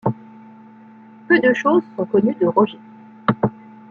Peu de choses sont connues de Roger.